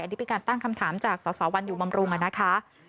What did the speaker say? อันนี้เป็นการตั้งคำถามจากสสวันอยู่บำรุงนะคะ